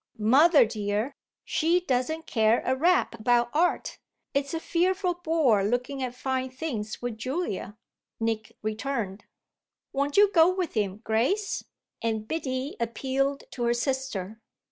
"Mother dear, she doesn't care a rap about art. It's a fearful bore looking at fine things with Julia," Nick returned. "Won't you go with him, Grace?" and Biddy appealed to her sister.